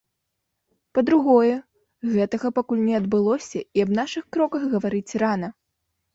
Па-другое, гэтага пакуль не адбылося і аб нашых кроках гаварыць рана.